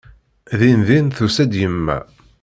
Dindin tusa-d yemma.